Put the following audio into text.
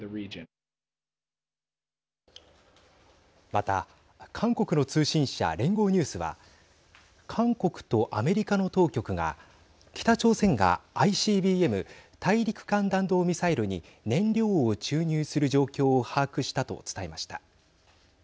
また韓国の通信社、連合ニュースは韓国とアメリカの当局が北朝鮮がＩＣＢＭ＝大陸間弾道ミサイルに燃料を注入する状況を把握したと伝えました。